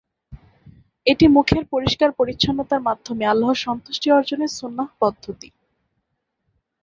এটি মুখের পরিষ্কার-পরিচ্ছন্নতার মাধ্যমে আল্লাহর সন্তুষ্টি অর্জনের সুন্নাহ পদ্ধতি।